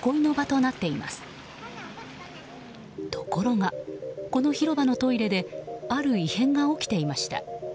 ところが、この広場のトイレである異変が起きていました。